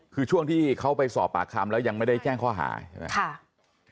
คือช่วงที่เขาไปสอบปากคำแล้วยังไม่ได้แจ้งข้อหาใช่ไหม